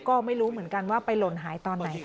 ก็ไม่รู้เหมือนกันว่าไปหล่นหายตอนไหนต่อ